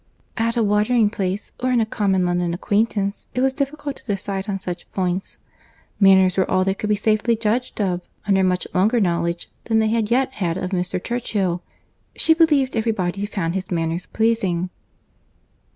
—"At a watering place, or in a common London acquaintance, it was difficult to decide on such points. Manners were all that could be safely judged of, under a much longer knowledge than they had yet had of Mr. Churchill. She believed every body found his manners pleasing."